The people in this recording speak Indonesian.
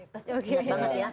ingat banget ya